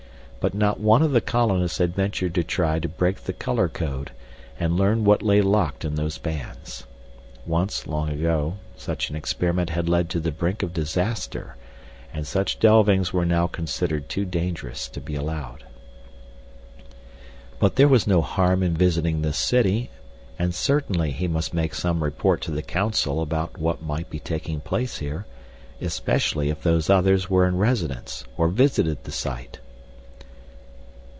But not one of the colonists had ventured to try to break the color code and learn what lay locked in those bands. Once long ago such an experiment had led to the brink of disaster, and such delvings were now considered too dangerous to be allowed. But there was no harm in visiting this city, and certainly he must make some report to the Council about what might be taking place here, especially if Those Others were in residence or visited the site.